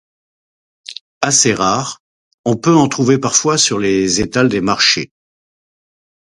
Assez rare, on peut en trouver parfois sur les étals des marchés.